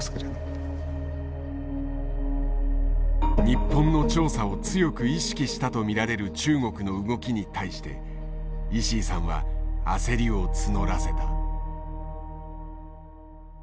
日本の調査を強く意識したと見られる中国の動きに対して石井さんは焦りを募らせた。